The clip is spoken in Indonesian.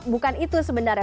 bukan itu sebenarnya